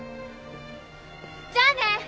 じゃあね！